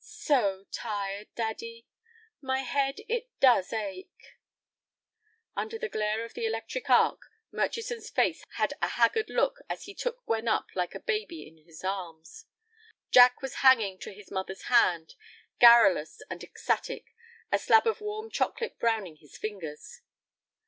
"So tired, daddy! My head, it does ache." Under the glare of the electric arc Murchison's face had a haggard look as he took Gwen up like a baby in his arms. Jack was hanging to his mother's hand, garrulous and ecstatic, a slab of warm chocolate browning his fingers.